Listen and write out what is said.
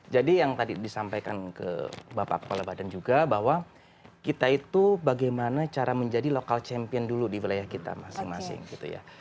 jadi yang tadi disampaikan ke bapak kuala badan juga bahwa kita itu bagaimana cara menjadi local champion dulu di wilayah kita masing masing gitu ya